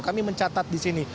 kami mencatat disini